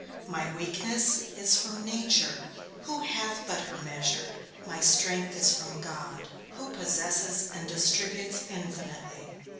My weakness is from nature, who hath but her measure; my strength is from God, who possesses and distributes infinitely.